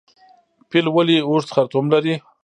پیل ولې اوږد خرطوم لري؟